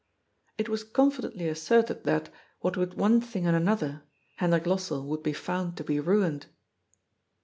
It was confidently asserted that, what with one thing and another, Hendrik Lossell would be found to be ruined.